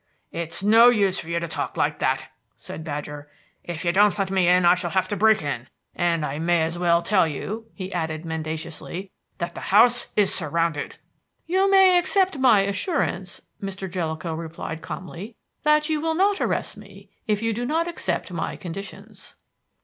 "It's no use for you to talk like that," said Badger. "If you don't let me in I shall have to break in. And I may as well tell you," he added mendaciously, "that the house is surrounded." "You may accept my assurance," Mr. Jellicoe replied calmly, "that you will not arrest me if you do not accept my conditions."